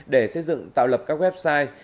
để xây dựng tạo lập các website